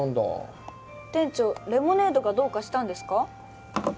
店長レモネードがどうかしたんですか？